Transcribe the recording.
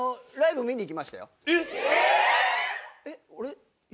えっ！